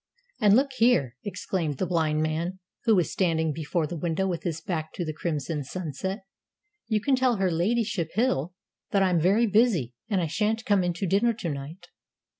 "And look here," exclaimed the blind man, who was standing before the window with his back to the crimson sunset, "you can tell her ladyship, Hill, that I'm very busy, and I shan't come in to dinner to night.